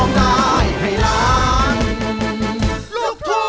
แหมดีล่าอยู่นั่นแหละ